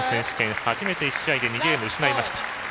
初めて１試合で２ゲーム、失いました。